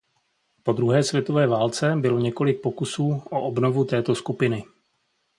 Po druhé světové válce bylo několik pokusů o obnovu této skupiny.